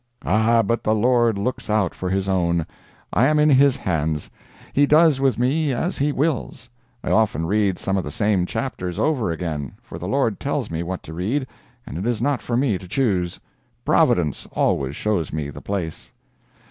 "Ah, but the Lord looks out for his own. I am in His hands—He does with me as He wills. I often read some of the same chapters over again, for the Lord tells me what to read, and it is not for me to choose. Providence always shows me the place."